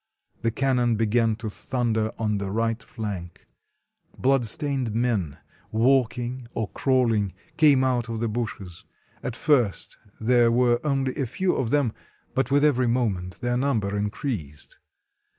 The cannon began to thunder on the right flank. Bloodstained men, walking or crawling, came out of the bushes; at first there were only a few of them, but with every moment their number increased.